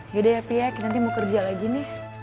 yaudah ya pi ya kinanti mau kerja lagi nih